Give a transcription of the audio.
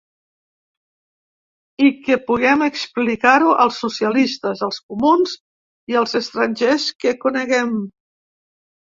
I que puguem explicar-ho als socialistes, als comuns i als estrangers que coneguem.